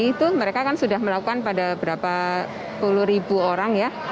itu mereka kan sudah melakukan pada berapa puluh ribu orang ya